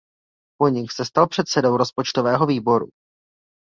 Po nich se stal předsedou rozpočtového výboru.